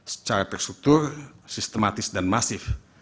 secara terstruktur sistematis dan masif